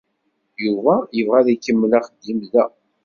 Yuba yebɣa ad ikemmel axeddim da.